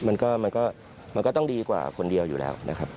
มันก็มันก็ต้องดีกว่าคนเดียวอยู่แล้วนะครับ